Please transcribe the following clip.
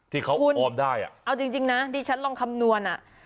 ที่เขาอ้อมได้อ่ะคุณเอาจริงนะที่ฉันลองคำนวณอ่ะ